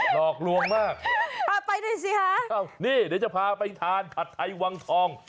นี่อยากจะพาไปทานผัดไทยวางทอง